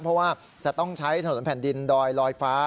เพราะว่าจะต้องใช้ถนนแผ่นดินดอยลอยฟ้า